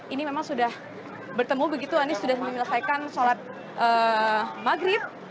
ini memang sudah bertemu begitu anies sudah menyelesaikan sholat maghrib